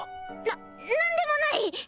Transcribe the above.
な何でもない☎